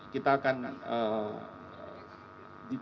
kita akan mencari cvr